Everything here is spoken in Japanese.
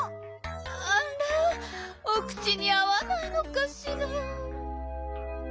あらお口にあわないのかしら。